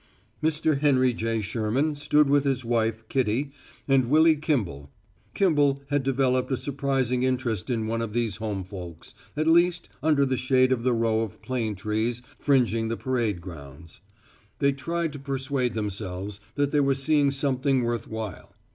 Mr. Henry J. Sherman stood with his wife, Kitty and Willy Kimball Kimball had developed a surprising interest in one of these home folks, at least under the shade of the row of plane trees fringing the parade grounds. They tried to persuade themselves that they were seeing something worth while.